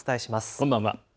こんばんは。